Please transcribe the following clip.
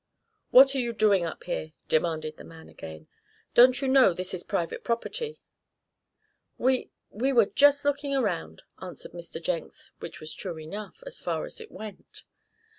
"What are you doing up here?" demanded the man again. "Don't you know this is private property?" "We we were just looking around," answered Mr. Jenks, which was true enough; as far as it went.